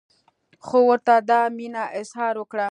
خو ورته دا مینه اظهار وکړه.